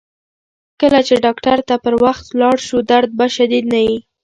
کله چې ډاکتر ته پر وخت ولاړ شو، درد به شدید نه شي.